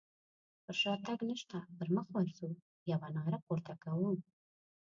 پر شاتګ نشته پر مخ ورځو يوه ناره پورته کوو.